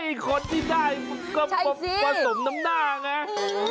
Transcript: นี่คนที่ได้ก็ผสมน้ำหน้าไง